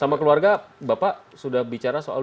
sama keluarga bapak sudah bicara soal dua ribu sembilan belas